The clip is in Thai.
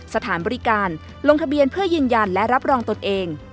สถานบริการลงทะเบียนเพื่อยืนยันและรับรองตนเอง